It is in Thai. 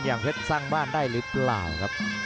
เพชรสร้างบ้านได้หรือเปล่าครับ